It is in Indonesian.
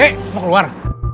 eh mau keluar